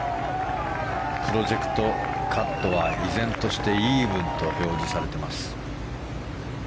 プロジェクトカットは依然としてイーブンと表示されています。